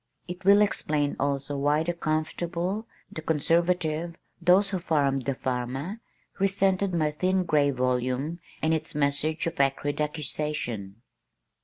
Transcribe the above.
It will explain also why the comfortable, the conservative, those who farmed the farmer, resented my thin gray volume and its message of acrid accusation.